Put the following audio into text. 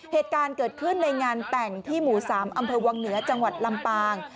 เหตุการณ์เกิดขึ้นในงานแต่งที่หมู่๓อำเภอวังเหนือจังหวัดลำปาง